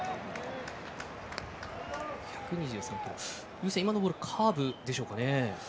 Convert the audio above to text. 井口さん、今のボールはカーブでしょうか。